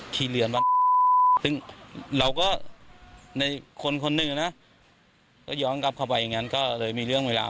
เรือนวัดซึ่งเราก็ในคนคนหนึ่งนะก็ย้อนกลับเข้าไปอย่างนั้นก็เลยมีเรื่องเวลา